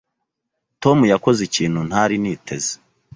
Tom yakoze ikintu ntari niteze.